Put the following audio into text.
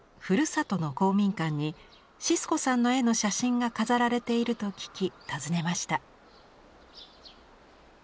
ふるさとの公民館にシスコさんの絵の写真が飾られていると聞き訪ねました。